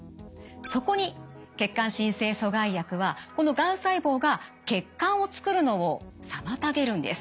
そこに血管新生阻害薬はこのがん細胞が血管を作るのを妨げるんです。